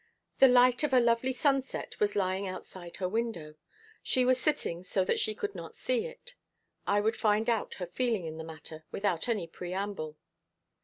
The light of a lovely sunset was lying outside her window. She was sitting so that she could not see it. I would find out her feeling in the matter without any preamble.